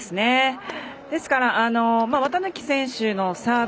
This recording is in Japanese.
ですから綿貫選手のサーブ